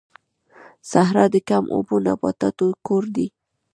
صحرا د کم اوبو نباتاتو کور دی